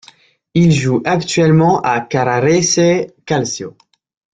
Il joue actuellement à la Carrarese Calcio.